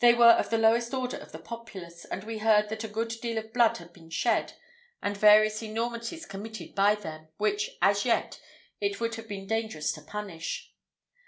They were of the lowest order of the populace; and we heard that a good deal of blood had been shed, and various enormities committed by them, which, as yet, it would have been dangerous to punish.